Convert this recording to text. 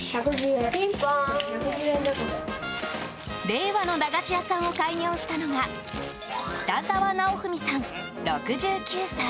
令和の駄菓子屋さんを開業したのが北澤尚文さん、６９歳。